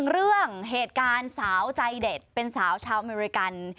เรื่องเหตุการณ์สาวใจเด็ดเป็นสาวชาวอเมริกัน